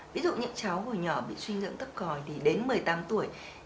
ví dụ những cháu hồi nhỏ bị suy dinh dưỡng thấp còi thì đến một mươi tám tuổi